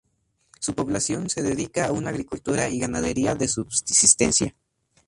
Su población se dedica a una agricultura y ganadería de subsistencia.